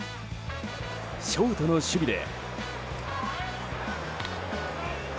ショートの守備で。